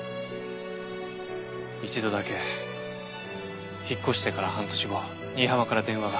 一度だけ引っ越してから半年後新浜から電話が。